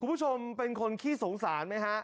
คุณผู้ชมเป็นคนขี้สงสารไหมฮะ